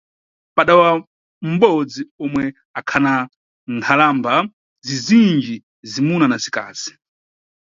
Padawa m`mudzi, omwe ukhana nkhalamba zizinji, zimuna na zikazi.